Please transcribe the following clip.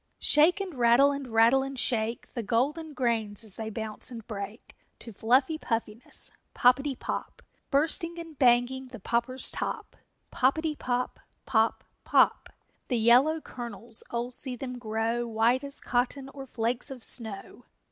_ Shake and rattle and rattle and shake The golden grains as they bounce and break To fluffy puffiness Poppetty pop! Bursting and banging the popper's top! Poppetty pop! Pop! Pop! The yellow kernels, oh, see them grow White as cotton or flakes of snow!